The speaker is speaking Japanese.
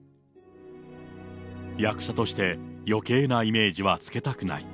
役者としてよけいなイメージはつけたくない。